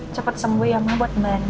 cepet sembuh ya ma buat mbak andin